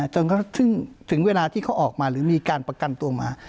จนถึงเวลาที่เขาออกมาหรือมีการประกันตัวมา